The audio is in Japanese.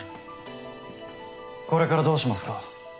これからどうしますか？